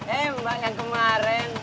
eh mbak yang kemarin